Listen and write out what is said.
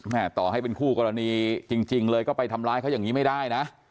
ต่อให้เป็นคู่กรณีจริงเลยก็ไปทำร้ายเขาอย่างนี้ไม่ได้นะ